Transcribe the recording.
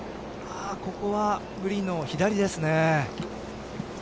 ここはグリーンの左ですね。